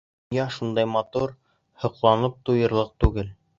Донъя шундай матур, һоҡланып туйырлыҡ түгел.